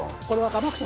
天草！